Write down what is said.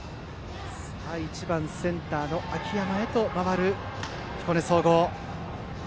１番センター、秋山へと回ってきた彦根総合。